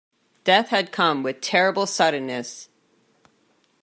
Death had come with terrible suddenness.